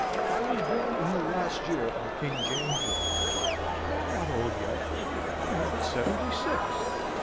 I was born in the last year of King James's reign. I am not old yet. I am but seventy six.